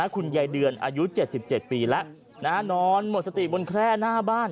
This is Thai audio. คุณยายเดือนอายุ๗๗ปีแล้วนอนหมดสติบนแคร่หน้าบ้าน